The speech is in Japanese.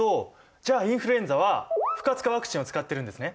じゃあインフルエンザは不活化ワクチンを使ってるんですね。